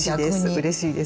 うれしいです逆に。